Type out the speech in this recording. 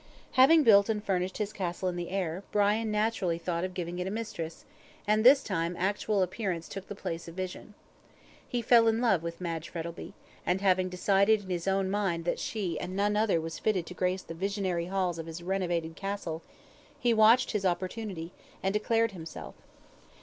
Having built and furnished his castle in the air, Brian naturally thought of giving it a mistress, and this time actual appearance took the place of vision. He fell in love with Madge Frettlby, and having decided in his own mind that she and none other was fitted to grace the visionary halls of his renovated castle, he watched his opportunity, and declared himself.